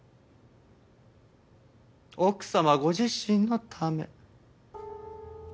奥様ご自身のため。